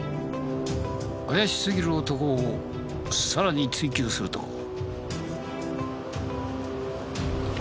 怪しすぎる男をさらに追及すると。